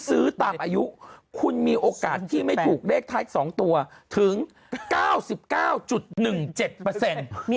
ซื้อตามอายุคุณมีโอกาสที่ไม่ถูกเลขท้าย๒ตัวถึง๙๙๑๗เปอร์เซ็นต์